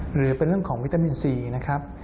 หรือเป็นเรื่องของวิตามินซีนะครับ